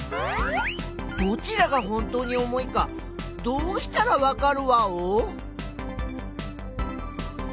どちらが本当に重いかどうしたらわかるワオ？